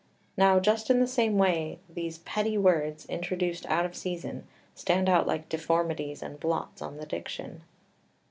Now just in the same way these petty words, introduced out of season, stand out like deformities and blots on the diction.